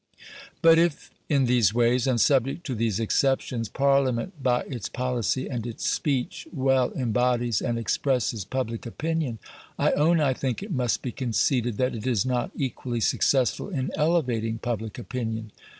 But if in these ways, and subject to these exceptions, Parliament by its policy and its speech well embodies and expresses public opinion, I own I think it must be conceded that it is not equally successful in elevating public opinion.